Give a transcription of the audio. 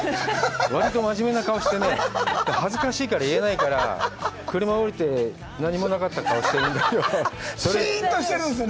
割と真面目な顔してね、恥ずかしいから言えないから、車を降りて、何もなかった顔してるんだけど、シーンとしてるんですね。